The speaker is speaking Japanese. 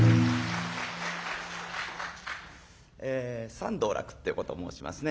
「三道楽」ってことを申しますね。